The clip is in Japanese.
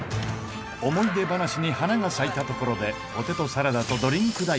思い出話に花が咲いたところでポテトサラダとドリンク代